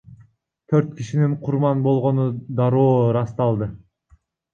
Төрт кишинин курман болгону дароо ырасталды.